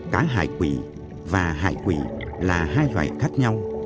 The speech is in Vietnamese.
cá hải quỷ và hải quỷ là hai loài khác nhau